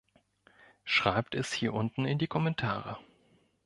Schreibt es hier unten in die Kommentare!